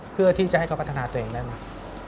เพื่อที่จะให้เขาพัฒนาตัวเองได้ไหม